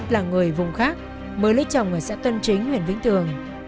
chỉ lê thi h là người vùng khác mới lấy chồng ở xã tân chính huyền vĩnh tường